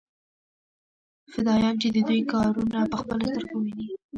فدايان چې د دوى کارونه په خپلو سترګو وويني.